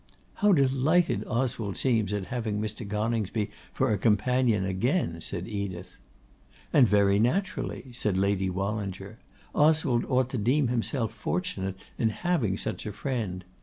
'How delighted Oswald seems at having Mr. Coningsby for a companion again!' said Edith. 'And very naturally,' said Lady Wallinger. 'Oswald ought to deem himself fortunate in having such a friend.